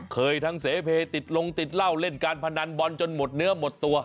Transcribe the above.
เคยทั้งเสเพติดลงติดเหล้าเล่นการพนันบอลจนหมดเนื้อหมดตัว